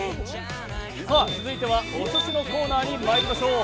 続いてはお寿司のコーナーにまいりましょう。